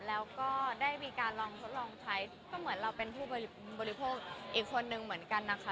แล้วก็ได้มีการลองทดลองใช้ก็เหมือนเราเป็นผู้บริโภคอีกคนนึงเหมือนกันนะคะ